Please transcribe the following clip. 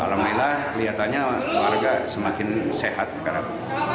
alhamdulillah kelihatannya warga semakin sehat sekarang